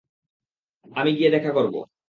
আমি গিয়ে দেখা করব।